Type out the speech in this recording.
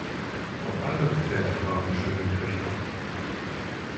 Auch andere Väter haben schöne Töchter.